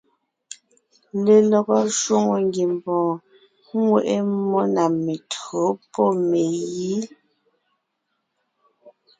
Lelɔgɔ shwòŋo ngiembɔɔn ŋweʼe mmó na mentÿǒ pɔ́ megǐ.